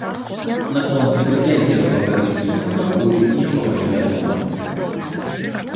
Наконт прэтэнзіяў па гэтай суме пакуль нічога не вядома.